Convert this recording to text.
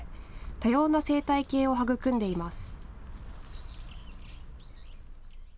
多様な生態系を育んでいます。